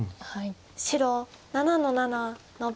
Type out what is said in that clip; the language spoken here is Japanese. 白７の七ノビ。